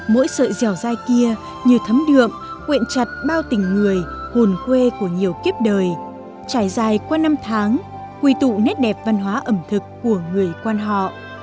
mỗi sợi dẻo dai kia như thấm đượm quyện chặt bao tình người hồn quê của nhiều kiếp đời trải dài qua năm tháng quy tụ nét đẹp văn hóa ẩm thực của người quan họ